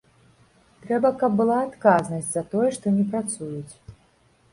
Трэба, каб была адказнасць за тое, што не працуюць.